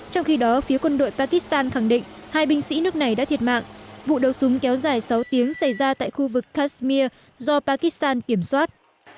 trong khi đó phía quân đội pakistan khẳng định hai binh sĩ nước này đã thiệt mạng vụ đấu súng kéo dài sáu tiếng xảy ra tại khu vực kashmir do pakistan kiểm soát